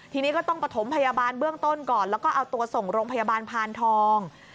ทีนี้ก็ต้องประถมพยาบาลเบื้องต้นก่อนแล้วก็เอาตัวส่งโรงพยาบาลพานทอง